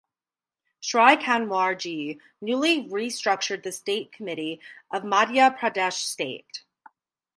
Shri Kanwar ji newly restructured the state committee of Madhya Pradesh State.